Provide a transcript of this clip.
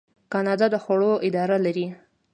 کاناډا د خوړو اداره لري.